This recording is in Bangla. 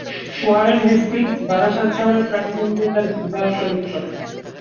ওয়ারেন হেস্টিংস বারাসাত শহরের প্রাণকেন্দ্রে তাঁর ভিলা তৈরি করেন।